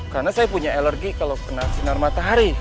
karena saya punya alergi kalau kena sinar matahari